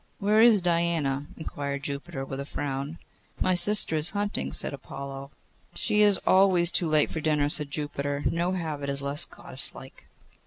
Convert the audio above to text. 'Where is Diana?' inquired Jupiter, with a frown. 'My sister is hunting,' said Apollo. 'She is always too late for dinner,' said Jupiter. 'No habit is less Goddess like.